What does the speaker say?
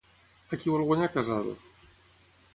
A qui vol guanyar Casado?